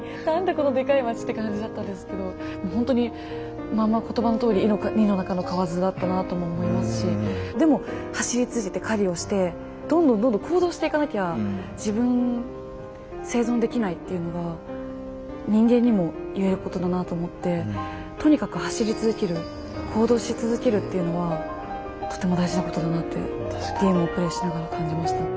このでかい街って感じだったんですけどほんとにまあまあ言葉のとおり井の中の蛙だったなあとも思いますしでも走り続けて狩りをしてどんどんどんどん行動していかなきゃ自分生存できないっていうのが人間にも言えることだなあと思ってとにかく走り続ける行動し続けるっていうのはとても大事なことだなってゲームをプレイしながら感じました。